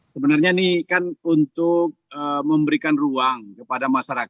sebenarnya ini kan untuk memberikan ruang kepada masyarakat